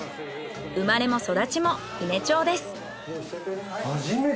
生まれも育ちも伊根町です。